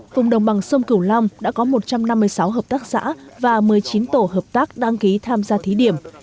vùng đồng bằng sông cửu long đã có một trăm năm mươi sáu hợp tác xã và một mươi chín tổ hợp tác đăng ký tham gia thí điểm